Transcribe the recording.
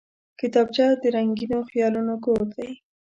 کتابچه د رنګینو خیالونو کور دی